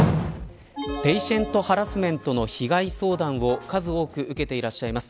ペイシェントハラスメントの被害相談を数多く受けていらっしゃいます。